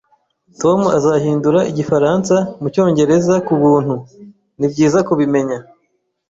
"Tom azahindura Igifaransa mu Cyongereza ku buntu." "Nibyiza kubimenya.